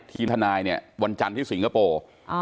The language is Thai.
ทนายเนี่ยวันจันทร์ที่สิงคโปร์